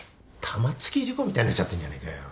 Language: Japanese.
玉突き事故みたいになっちゃってんじゃねぇかよ。